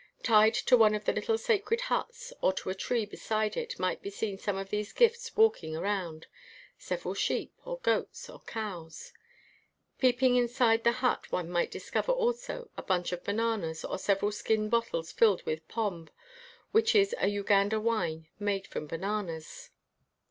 Tied to one of the little sacred huts or to a tree beside it might be seen 11 WHITE MAN OF WORK some of these gifts walking around — several sheep or goats or cows. Peeping inside the hut, one might discover also a bunch of ba nanas or several skin bottles filled with pombe, which is a Uganda wine made from bananas.